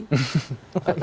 yang presiden jokowi